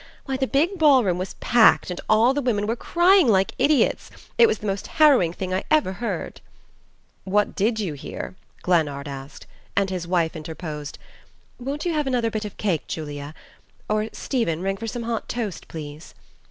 Why, the big ball room was PACKED, and all the women were crying like idiots it was the most harrowing thing I ever heard " "What DID you hear?" Glennard asked; and his wife interposed: "Won't you have another bit of cake, Julia? Or, Stephen, ring for some hot toast, please."